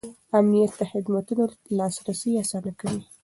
امنیت د خدمتونو لاسرسی اسانه کوي.